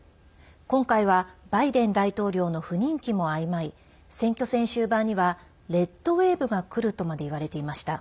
今回はバイデン大統領の不人気も相まり選挙戦終盤にはレッドウェーブがくるとまでいわれていました。